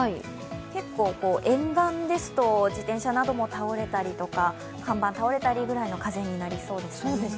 結構、沿岸ですと自転車なども倒れたりとか看板倒れたりぐらいの風になりそうです。